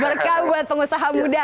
berkah buat pengusaha muda